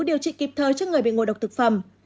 điều trị kịp thời cho người bị ngộ độc thực phẩm